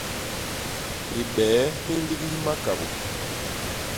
Hibee hi nligis makabô.